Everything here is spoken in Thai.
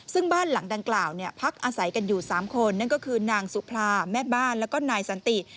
ซึ่งบ้านหลังดังกล่าวพักอาศัยกันอยู่๓คนนั่นก็คือนางสุพราแม่บ้านแล้วก็นายสันติ